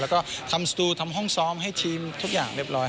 แล้วก็ทำสตูทำห้องซ้อมให้ทีมทุกอย่างเรียบร้อย